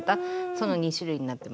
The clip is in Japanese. その２種類になってます。